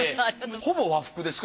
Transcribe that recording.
ほぼ和服ですか？